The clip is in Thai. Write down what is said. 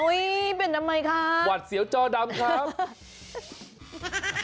โอ้ยเปลี่ยนทำไมครับวัดเสียวจอดำครับ